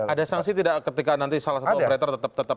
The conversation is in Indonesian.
ada sanksi ketika nanti salah satu operator tetap akan